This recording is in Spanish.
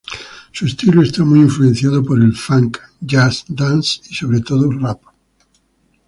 Su estilo está muy influenciado por el funk, jazz, dance y sobre todo rap.